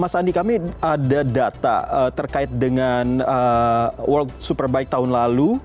mas andi kami ada data terkait dengan world superbike tahun lalu